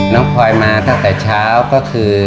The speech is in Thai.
พลอยมาตั้งแต่เช้าก็คือ